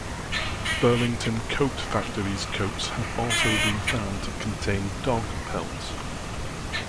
Burlington Coat Factory's coats have also been found to contain dog pelts.